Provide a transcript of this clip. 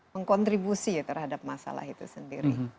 mengkontribusi ya terhadap masalah itu sendiri